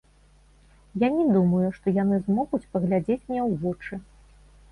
Я не думаю, што яны змогуць паглядзець мне ў вочы.